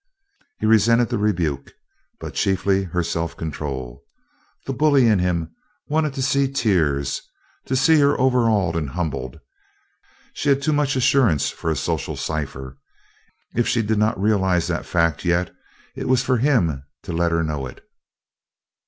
He resented the rebuke, but chiefly her self control. The bully in him wanted to see tears, to see her overawed and humble; she had too much assurance for a social cipher. If she did not realize that fact yet, it was for him to let her know it.